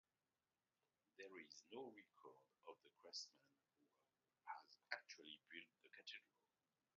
There is no record of the craftsman who has actually built the cathedral.